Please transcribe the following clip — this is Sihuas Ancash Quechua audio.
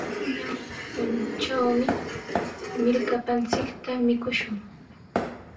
Pullan puntrawmi millkapanchikta mikushun.